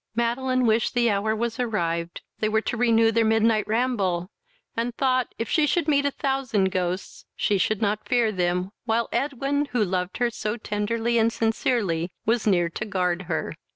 Madeline wished the hour was arrived they were to renew their midnight ramble, and thought, if she should meet a thousand ghosts, she should not fear them, while Edwin, who loved her so tenderly and sincerely, was near to guard her.